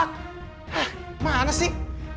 hah mana sih